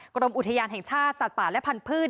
กรมอุทยานแห่งชาติสัตว์ป่าและพันธุ์